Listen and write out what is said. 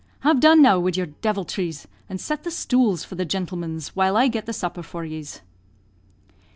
Have done now wid your diviltries, and set the stools for the gintlemens, while I get the supper for yes."